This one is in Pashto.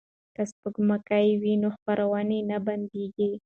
که سپوږمکۍ وي نو خپرونه نه بندیږي.